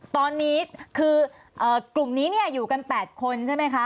ตอนนี้คือกลุ่มนี้อยู่กัน๘คนใช่ไหมคะ